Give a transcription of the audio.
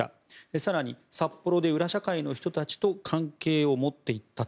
更に札幌で裏社会の人たちと関係を持っていったと。